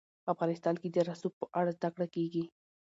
افغانستان کې د رسوب په اړه زده کړه کېږي.